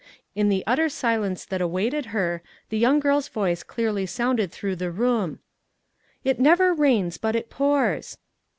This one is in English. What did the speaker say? In the utter silence that awaited her the young girl's voice clearly sounded through the room, " It never rains but it pours."